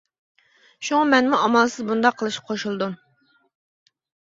شۇڭا، مەنمۇ ئامالسىز بۇنداق قىلىشقا قوشۇلدۇم.